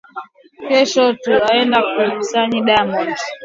Kesho taenda ku kasayi nika uze diamand